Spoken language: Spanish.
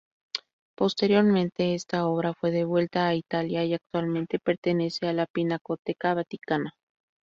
Posteriormente esta obra fue devuelta a Italia y actualmente pertenece a la Pinacoteca Vaticana.